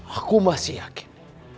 aku masih yakin